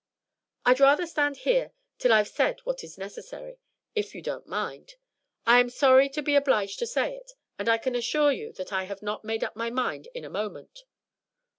"I'd rather stand here till I've said what is necessary if you don't mind. I am sorry to be obliged to say it, and I can assure you that I have not made up my mind in a moment."